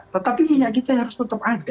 tetapi minyak kita harus tetap ada